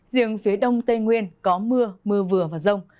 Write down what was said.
riêng phía đông tây nguyên có mưa mưa vừa và rông